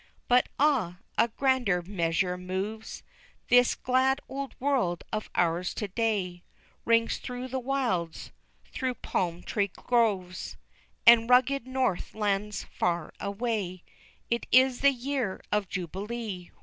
But ah, a grander measure moves This glad old world of ours to day, Rings through the wilds through palm tree groves And rugged north lands far away: _It is the YEAR of JUBILEE!